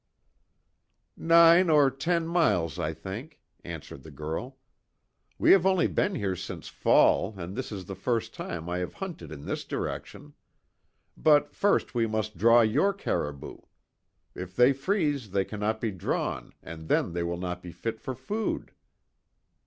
"Nine or ten miles, I think," answered the girl, "We have only been here since fall and this is the first time I have hunted in this direction. But, first we must draw your caribou. If they freeze they cannot be drawn and then they will not be fit for food."